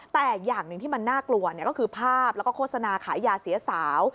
แต่อย่างหนึ่งที่มันน่ากลัวก็คือภาพแล้วก็โฆษณาขายยาเสียสาว